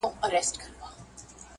محترم اقبال بهلول مروت